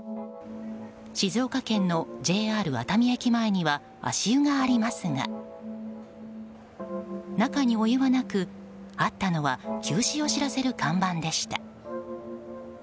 静岡県のＪＲ熱海駅前には足湯がありますが中にお湯はなく、あったのは休止を知らせる看板でした。